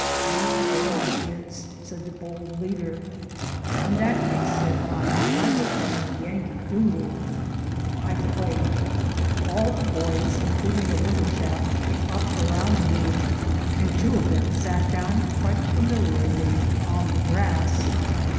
"You bet it is!" said the bold leader. "In that case," said I, "I will play 'Yankee Doodle.'" I played. All the boys, including the little chap, came up around me, and two of them sat down quite familiarly on the grass.